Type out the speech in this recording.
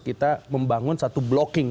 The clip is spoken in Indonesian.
kita membangun satu blocking